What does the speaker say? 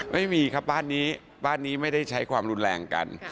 ไม่มีครับบ้านนี้บ้านนี้ไม่ได้ใช้ความรุนแรงกัน